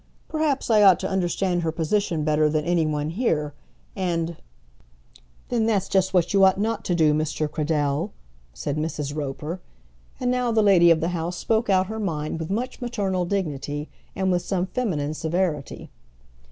"Perhaps I ought to understand her position better than any one here, and " "Then that's just what you ought not to do, Mr. Cradell," said Mrs. Roper. And now the lady of the house spoke out her mind with much maternal dignity and with some feminine severity.